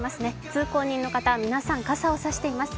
通行人の方、皆さん傘を差しています。